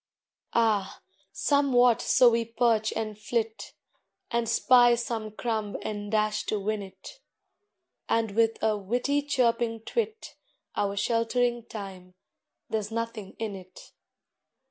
Ah, somewhat so we perch and flit, And spy some crumb and dash to win it, And with a witty chirping twit Our sheltering Time there's nothing in it!